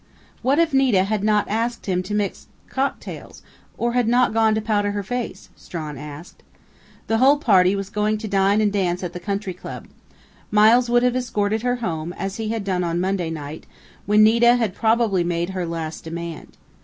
"What if Nita had not asked him to mix cocktails or had not gone to powder her face?" Strawn asked. "The whole party was going to dine and dance at the Country Club. Miles would have escorted her home, as he had done on Monday night, when Nita had probably made her last demand.